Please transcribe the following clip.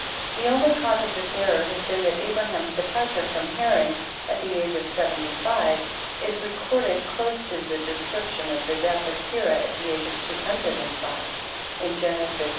The only cause of this error has been that Abraham's departure from Haran, at the age of 75, is recorded close to the description of the death of Terah, at the age of 205, in Gen. ch.